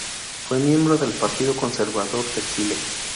Fue miembro del Partido Conservador de Chile.